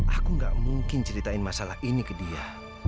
aku gak mungkin ceritain masalah ini ke dia